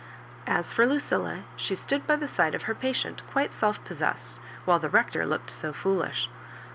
As for Lucilla, she stood by the side of her patient quite self possessed, wiiile the Rector looked so foolish.